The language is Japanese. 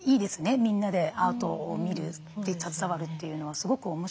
みんなでアートを見る携わるというのはすごく面白かったです。